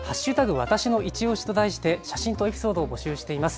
わたしのいちオシと題して写真とエピソードを募集しています。